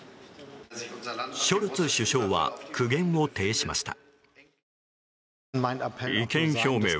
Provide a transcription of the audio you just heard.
ショルツ首相は苦言を呈しました。